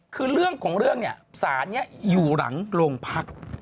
คือเรื่องของเรื่องนี่ศานอยู่หลังโรงพักษณ์